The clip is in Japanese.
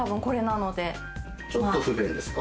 ちょっと不便ですか？